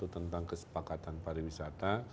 satu tentang kesepakatan pariwisata